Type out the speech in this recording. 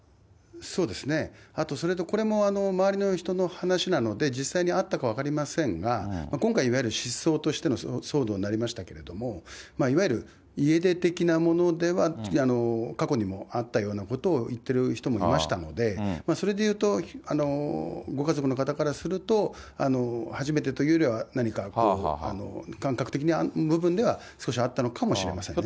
あとこれも周りの人の話なので、実際にあったかは分かりませんが、今回、いわゆる失踪としての騒動になりましたけれども、いわゆる家出的なものでは、過去にもあったようなことを言ってる人もいましたので、それでいうと、ご家族の方からすると、初めてというよりは、何かこう、感覚的な部分では、少しあったのかもしれませんね。